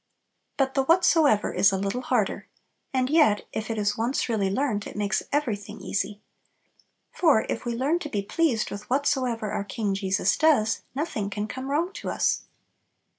But the "whatsoever" is a little harder; and yet, if it is once really learnt, it makes everything easy. For if we learn to be pleased with whatsoever our King Jesus does, nothing can come wrong to us.